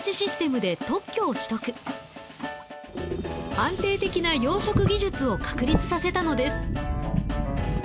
安定的な養殖技術を確立させたのです。